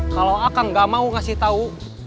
kalau akan gak mau ngasih tau